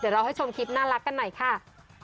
เดี๋ยวเราให้ชมคลิปน่ารักกันหน่อยค่ะ